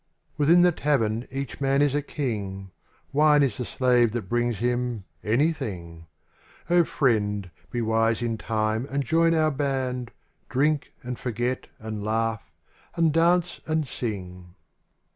fITHIN the tavern each man is a king. Wine is the slave that brings him — anything; O friend, be wise in time and Join our band. Drink and forget and laugh and dance and sing.